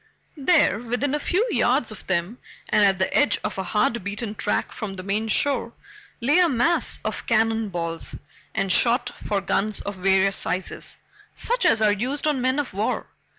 There, within a few yards of them and at the edge of a hard beaten track from the main shore, lay a mass of cannon balls and shot for guns of various sizes, such as are used on men of war.